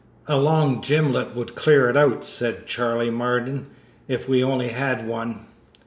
"A long gimlet would clear it out," said Charley Marden, "if we only had one."